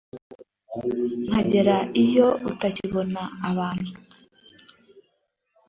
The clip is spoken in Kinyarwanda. nkagera iyo utakibona abantu